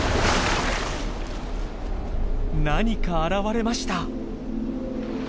何か現れました。